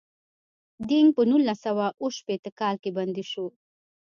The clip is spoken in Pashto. دینګ په نولس سوه اووه شپیته کال کې بندي شو.